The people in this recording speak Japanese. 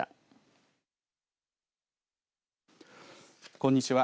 こんにちは。